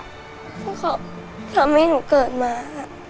แต่เค้าทำให้หนูเกิดมา